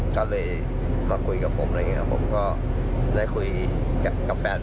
ก็เลยมาคุยกับผมผมก็ได้คุยกับแฟนผม